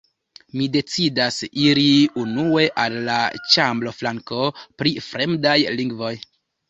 Mi decidas iri unue al la ĉambroflanko pri fremdaj lingvoj.